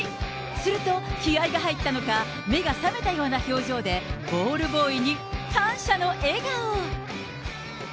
すると、気合いが入ったのか、目が覚めたような表情で、ボールボーイに感謝の笑顔。